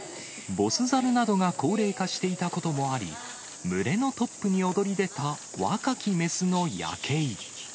ボスザルなどが高齢化していたこともあり、群れのトップに躍り出た若き雌のヤケイ。